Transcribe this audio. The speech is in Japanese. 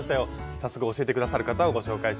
早速教えてくださる方をご紹介しましょう。